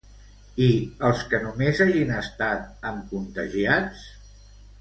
I als que només hagin estat amb contagiats?